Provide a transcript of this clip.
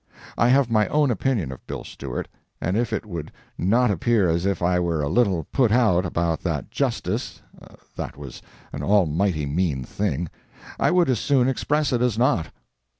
I have my own opinion of Bill Stewart, and if it would not appear as if I were a little put out about that Justis (that was an almighty mean thing), I would as soon express it as not.